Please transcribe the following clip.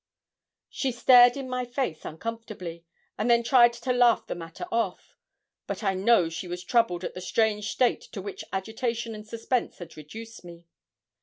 She stared in my face uncomfortably, and then tried to laugh the matter off; but I know she was troubled at the strange state to which agitation and suspense had reduced me.